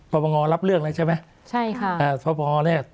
พระบางอร์รับเรื่องเลยใช่ไหมใช่ค่ะอ่าพระบางอร์เนี้ย